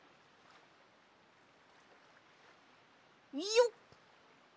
よっ！